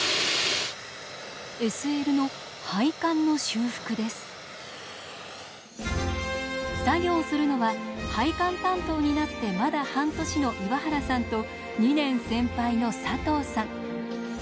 ＳＬの作業するのは配管担当になってまだ半年の岩原さんと２年先輩の佐藤さん。